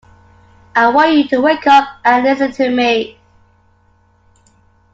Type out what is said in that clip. I want you to wake up and listen to me